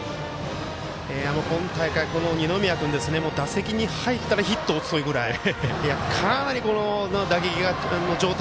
今大会、この二宮君打席に入ったらヒットを打つというぐらいかなり打撃の状態